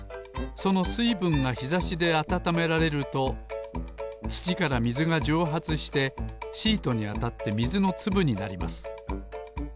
そのすいぶんがひざしであたためられるとつちからみずがじょうはつしてシートにあたってみずのつぶになります。